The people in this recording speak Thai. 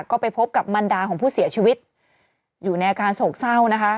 ก็ไปพบกับมันดาของผู้เสียชีวิตอยู่ในอาการโศกเศร้านะคะ